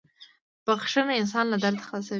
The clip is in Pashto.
• بښل انسان له درده خلاصوي.